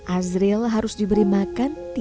azril harus diberi makanan